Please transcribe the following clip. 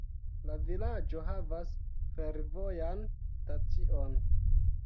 La vilaĝo havas fervojan stacion.